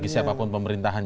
bagi siapapun pemerintahan